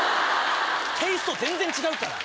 テイスト全然違うから！